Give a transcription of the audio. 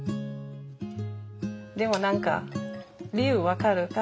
でも何か理由分かる。